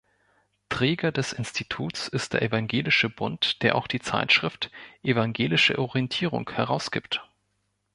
Träger des Instituts ist der Evangelische Bund, der auch die Zeitschrift "Evangelische Orientierung" herausgibt.